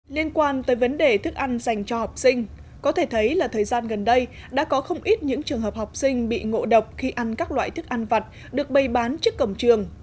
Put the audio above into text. liên quan tới vấn đề thức ăn dành cho học sinh có thể thấy là thời gian gần đây đã có không ít những trường hợp học sinh bị ngộ độc khi ăn các loại thức ăn vặt được bày bán trước cổng trường